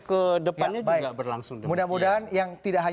sampai kedepannya juga berlangsung